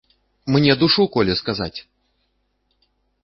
Мне душу коле сказаць!